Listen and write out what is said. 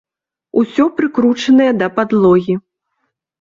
Усё прыкручанае да падлогі.